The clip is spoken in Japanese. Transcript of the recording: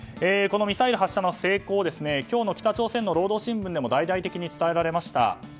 このミサイル発射の成功を今日の北朝鮮の労働新聞でも大々的に伝えられました。